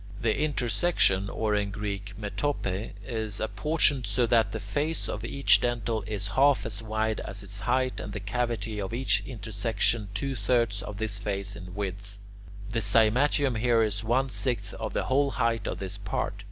The intersection (or in Greek [Greek: metope]) is apportioned so that the face of each dentil is half as wide as its height and the cavity of each intersection two thirds of this face in width. The cymatium here is one sixth of the whole height of this part.